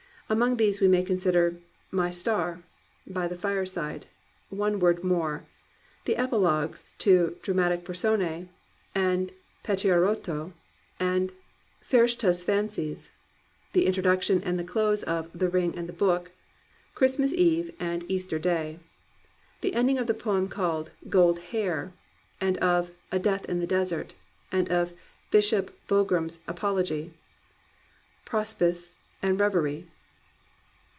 Among these we may consider My Star; By the Fireside; One Word More; the Epilogues to Dramatis Personoe and Pachiarrotto and Ferish tah*s Fancies; the introduction and the close of The Ring and the Book; Christmas Eve and Easter Day; the ending of the poem called Gold Hair, and of A Death in the Desert, and of Bishop Blou gram's Apology ; Prospice and Reverie.